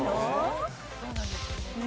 そうなんですよね。